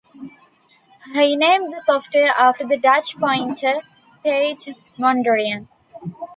He named the software after the Dutch painter Piet Mondrian.